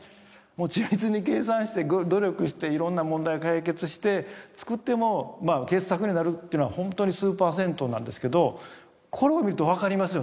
もう緻密に計算して努力して色んな問題を解決して作っても傑作になるっていうのはホントに数％なんですけどこれを見ると分かりますよね